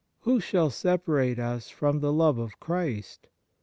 Who shall separate us from the love of Christ